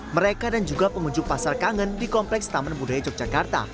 mereka dan juga pengunjung pasar kangen di kompleks taman budaya yogyakarta